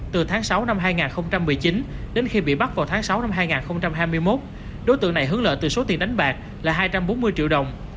từ tháng sáu năm hai nghìn một mươi chín đến khi bị bắt vào tháng sáu năm hai nghìn hai mươi một đối tượng này hướng lợi từ số tiền đánh bạc là hai trăm bốn mươi triệu đồng